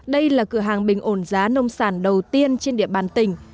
đây là cửa hàng bình ổn giá nông sản đầu tiên trên địa bàn tỉnh